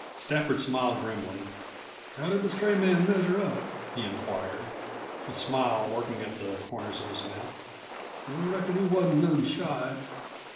Stafford smiled grimly. "How did the stray man measure up?" he inquired, a smile working at the corners of his mouth. "I reckon he wasn't none shy?"